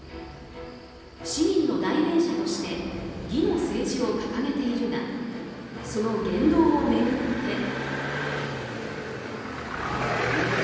市民の代弁者として義の政治を掲げているがその言動を巡って。